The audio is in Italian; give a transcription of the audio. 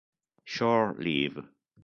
Shore Leave